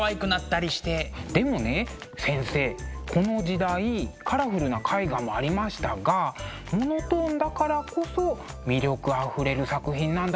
でもね先生この時代カラフルな絵画もありましたがモノトーンだからこそ魅力あふれる作品なんだと思うんです。